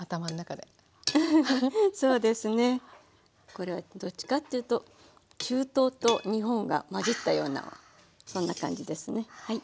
これはどっちかっていうと中東と日本がまじったようなそんな感じですねはい。